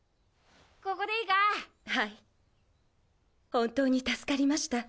本当に助かりました。